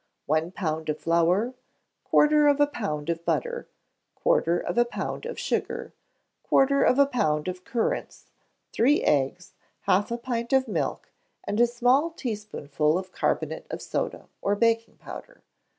One pound of flour, quarter of a pound of butter, quarter of a pound of sugar, quarter of a pound of currants, three eggs, half a pint of milk, and a small teaspoonful of carbonate of soda or baking powder.